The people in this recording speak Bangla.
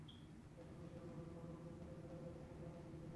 এসব গ্যাসের অণুগুলো বায়ুমণ্ডলে ছড়িয়ে থাকার কারণেই মূলত আকাশ নীল দেখায়।